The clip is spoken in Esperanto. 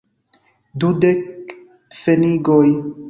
Dudek pfenigoj.